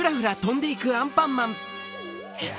えっ！